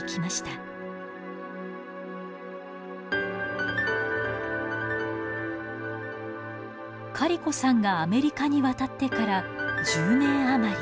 カリコさんがアメリカに渡ってから１０年余り。